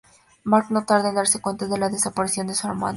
Mark no tarda en darse cuenta de la desaparición de su hermana.